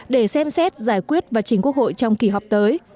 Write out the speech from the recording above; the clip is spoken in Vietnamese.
để xem xét giải quyết và chính quốc hội trong kỳ họp tới